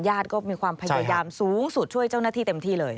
ก็มีความพยายามสูงสุดช่วยเจ้าหน้าที่เต็มที่เลย